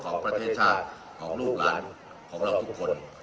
ของประเทศชาติของลูกหลานของเราทุกคน